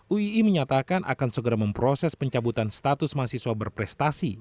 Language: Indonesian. uii menyatakan akan segera memproses pencabutan status mahasiswa berprestasi